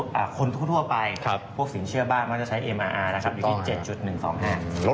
เขาบอกว่าปรับตัวสูงขึ้นค่อนข้างเยอะในแต่มาหนึ่งนะครับ